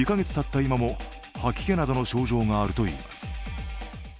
今も、吐き気などの症状があるといいます。